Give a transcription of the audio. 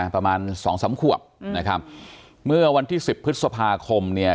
ประมาณสองสามขวบนะครับเมื่อวันที่สิบพฤษภาคมเนี่ย